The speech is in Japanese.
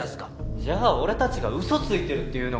じゃあ俺たちがうそついてるっていうのか？